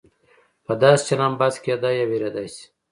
په داسې چلن بحث کېدای او هېریدای شي.